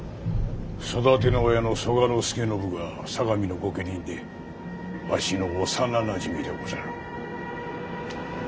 育ての親の曽我祐信が相模の御家人でわしの幼なじみでござる。